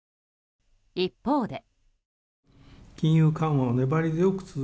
一方で。